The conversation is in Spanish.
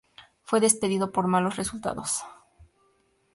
Fue despedido por malos resultados.